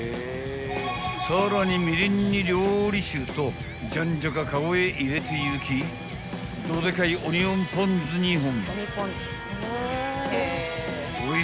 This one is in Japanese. ［さらにみりんに料理酒とじゃんじゃかカゴへ入れていきどでかいオニオンぽん酢２本］